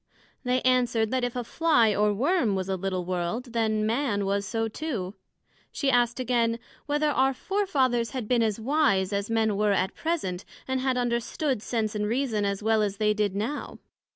They answered, That if a Fly or Worm was a little World, then Man was so too. she asked again, Whether our Fore fathers had been as wise, as Men were at present, and had understood sense and reason, as well as they did now?